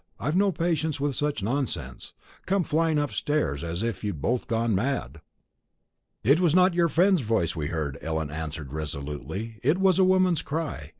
I've no patience with such nonsense; coming flying upstairs as if you'd both gone mad." "It was not your friend's voice we heard," Ellen answered resolutely; "it was a woman's cry.